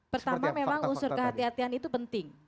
pertama memang unsur kehati hatian itu penting